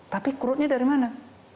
tapi crudenya dari mana